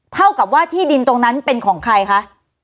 เท่ากับว่าที่ดินตรงนั้นเป็นของใครคะ